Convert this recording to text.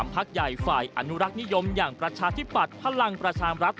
พักใหญ่ฝ่ายอนุรักษ์นิยมอย่างประชาธิปัตย์พลังประชามรัฐ